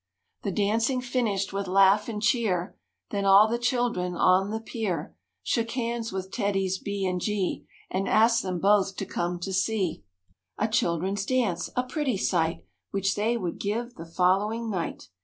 The dancing finished with laugh and cheer Then all the children on the pier Shook hands with TEDDIES B and G And asked them both to come to see A children's dance, a pretty sight, Which they would give the following night.